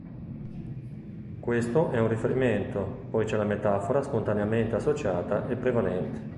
Questo è un riferimento poi c'è la metafora spontaneamente associata e prevalente.